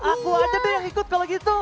aku aja deh yang ikut kalau gitu